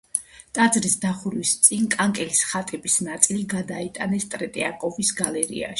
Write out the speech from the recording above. ტაძრის დახურვის წინ კანკელის ხატების ნაწილი გადაიტანეს ტრეტიაკოვის გალერეაში.